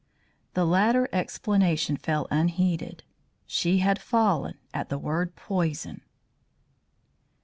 The latter explanation fell unheeded. She had fallen at the word poison.